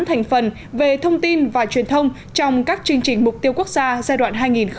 thành phần về thông tin và truyền thông trong các chương trình mục tiêu quốc gia giai đoạn hai nghìn một mươi sáu hai nghìn hai mươi